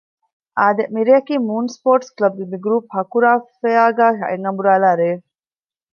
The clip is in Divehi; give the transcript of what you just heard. އާދެ! މިރެއަކީ މޫން ސްޕޯރޓްސް ކްލަބްގެ މިގްރޫޕް ހަކުރާފެއަރގައި އަތްއަނބުރާލާ ރެއެއް